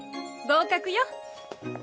合格よ。